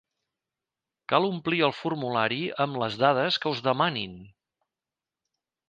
Cal omplir el formulari amb les dades que us demanin.